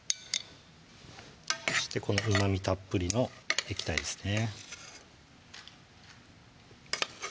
そしてこのうまみたっぷりの液体ですね